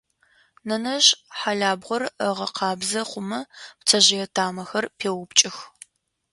Нэнэжъ хьалабгъор ыгъэкъабзэ хъумэ пцэжъые тамэхэр пеупкӏых.